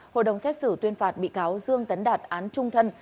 hội đồng xét xử tuyên phạt bị cáo dương tấn đạt án trung thân